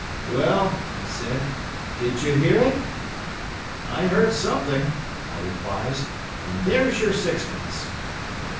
"Well," he said. "Did you hear it?" "I heard something," I replied, "and there's your sixpence."